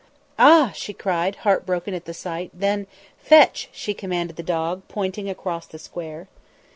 "Ah!" she cried, heartbroken at the sight; then, "Fetch!" she commanded the dog, pointing across the square.